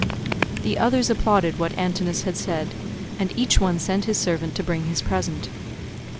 The others applauded what Antinous had said, and each one sent his servant to bring his present.